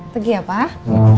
pergi ya pak